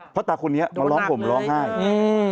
เพราะศาคนนี้มาหลอกผมลองไห้